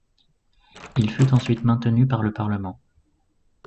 Il fut ensuite maintenu par le parlement.